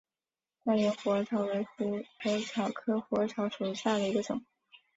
光缘虎耳草为虎耳草科虎耳草属下的一个种。